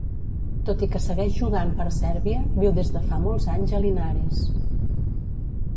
Tot i que segueix jugant per Sèrbia, viu des de fa molts anys a Linares.